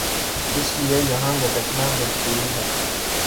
اس لئے یہان لٹکنا مجبوری ہے